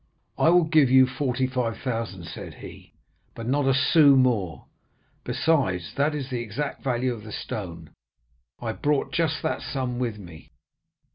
"'I will give you 45,000,' said he, 'but not a sou more; besides, as that is the exact value of the stone, I brought just that sum with me.